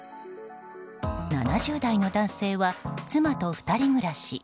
７０代の男性は妻と２人暮らし。